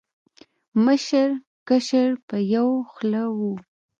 مشر، کشر په یو خوله و